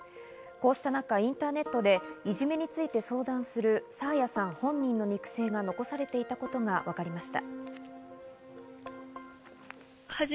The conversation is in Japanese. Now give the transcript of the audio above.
こうした中、インターネットでいじめについて相談する爽彩さん本人の肉声が残されていたことがわかりました。